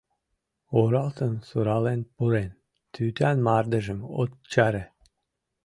Оралтым сурален пурен, тӱтан мардежым от чаре.